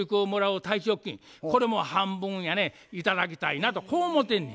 これも半分やね頂きたいなとこう思うてんねや。